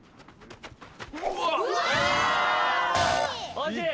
惜しい。